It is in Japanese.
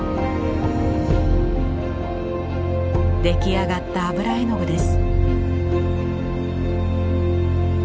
出来上がった油絵の具です。